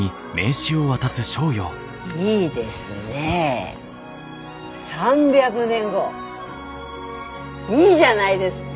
いいですね３００年後いいじゃないですか。